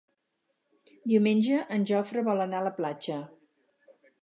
Diumenge en Jofre vol anar a la platja.